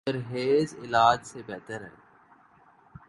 پرہیز علاج سے بہتر ہے